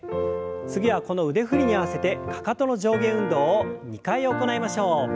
次はこの腕振りに合わせてかかとの上下運動を２回行いましょう。